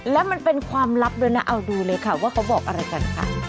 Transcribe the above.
และมันเป็นความลับด้วยนะเอาดูเลยค่ะว่าเขาบอกอะไรกันค่ะ